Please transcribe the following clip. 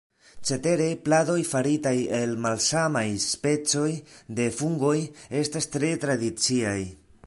Cetere, pladoj faritaj el malsamaj specoj de fungoj estas tre tradiciaj.